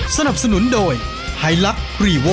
สนับสนุนโดยไฮลักษ์รีโว